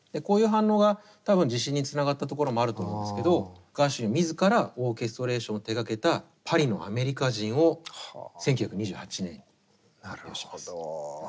こういう反応が多分自信につながったところもあると思うんですけどガーシュウィン自らオーケストレーションを手がけた「パリのアメリカ人」を１９２８年に発表します。